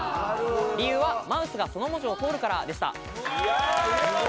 理由は、マウスがその文字を通るからでした。